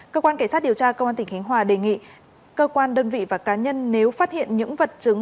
cơ quan cảnh sát điều tra công an tỉnh khánh hòa đề nghị cơ quan đơn vị và cá nhân nếu phát hiện những vật chứng